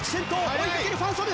追いかけるファン・ソヌ。